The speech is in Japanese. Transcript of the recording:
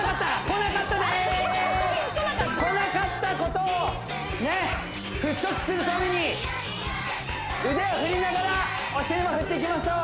こなかったですこなかったことをねっ払拭するために腕を振りながらお尻も振っていきましょう